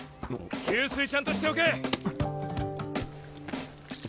給水ちゃんとしておけ！